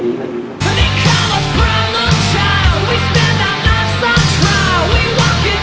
นี่มันไม่กำลังหรอก